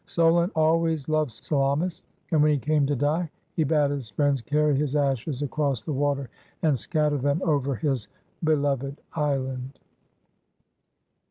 Solon always loved Salamis, and when he came to die, he bade his friends carry his ashes across the water and scatter them over his beloved island.